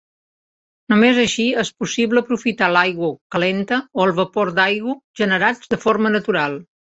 Només així és possible aprofitar l'aigua calenta o el vapor d'aigua generats de forma natural.